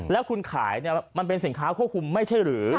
แล้วคุณขายมันเป็นสินค้าควบคุมไม่ใช่หรือ